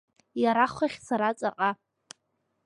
Иара хыхь, сара ҵаҟа.